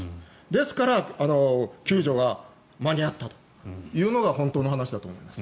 ですから救助が間に合ったというのが本当の話だと思います。